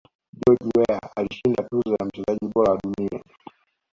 george Weah alishinda tuzo ya mchezaji bora wa dunia